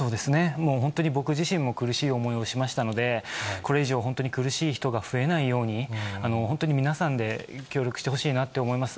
もう本当に僕自身も苦しい思いをしましたので、これ以上、本当に苦しい人が増えないように、本当に皆さんで協力してほしいなって思います。